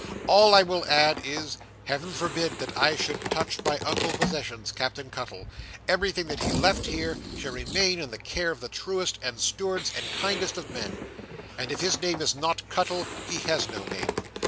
"All I will add is, Heaven forbid that I should touch my Uncle's possessions, Captain Cuttle! Everything that he left here, shall remain in the care of the truest of stewards and kindest of men—and if his name is not Cuttle, he has no name!